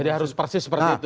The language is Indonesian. jadi harus persis seperti itu